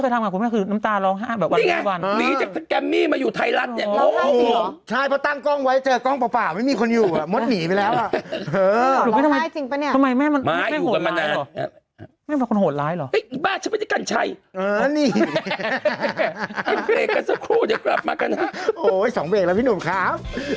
กลับมากันนะโอ้ยสองเวกแล้วพี่หนุ่มคร้าว